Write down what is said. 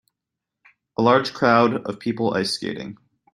A large crowd of people ice skating.